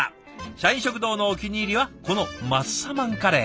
社員食堂のお気に入りはこのマッサマンカレー。